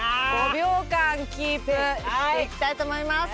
５秒間キープしていきたいと思います。